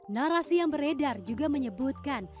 narasi yang beredar juga menyebutkan